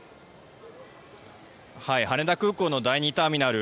羽田空港の第２ターミナル